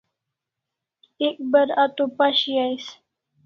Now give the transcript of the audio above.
Ek bar a to pashi ais